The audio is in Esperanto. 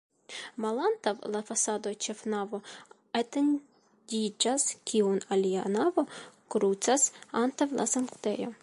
Malantaŭ la fasado ĉefnavo etendiĝas, kiun alia navo krucas antaŭ la sanktejo.